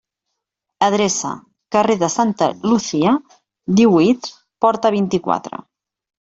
Adreça: carrer de Santa Lucia, díhuit, porta vint-i-quatre.